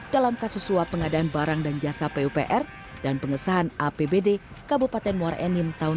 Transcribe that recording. dalam kasus suap pengadaan barang dan jasa pupr dan pengesahan apbd kabupaten muara enim tahun dua ribu dua puluh